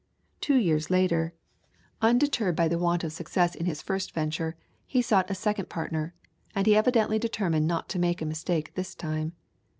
Two years later, undeterred by the want of success in his first venture, he sought a second partner, and he evidently determined not to make a mistake this time.